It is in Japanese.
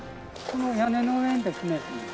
この屋根の上にですね